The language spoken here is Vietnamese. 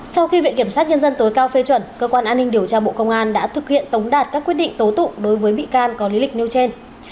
sau khi viện kiểm sát nhân dân tối cao phê chuẩn cơ quan an ninh điều tra bộ công an đã thực hiện tống đạt các quyết định tố tụ đối với bị can có lý lịch nêu trên